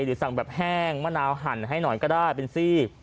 หรือสั่งแบบแห้งมะนาวหั่นให้หน่อยก็ได้เป็นซีก